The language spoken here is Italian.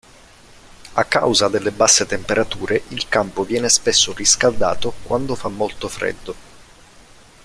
A causa delle basse temperature il campo viene spesso riscaldato quando fa molto freddo.